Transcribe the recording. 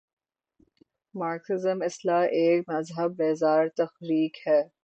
Marxism اصلا ایک مذہب بیزار تحریک ہے۔